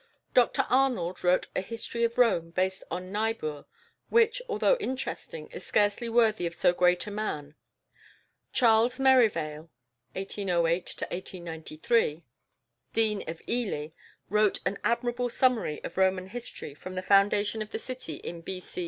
Dr Arnold wrote a "History of Rome," based on Niebuhr, which, although interesting, is scarcely worthy of so great a man. =Charles Merivale (1808 1893)=, Dean of Ely, wrote an admirable summary of Roman history from the foundation of the city in B.C.